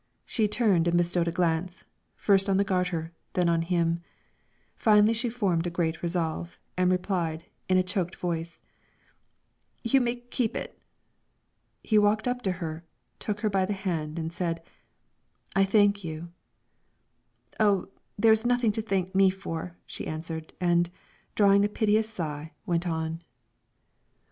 She turned and bestowed a glance, first on the garter, then on him. Finally she formed a great resolve, and replied, in a choked voice, "You may keep it." He walked up to her, took her by the hand, and said, "I thank you!" "Oh, there is nothing to thank me for," she answered, and, drawing a piteous sigh, went on.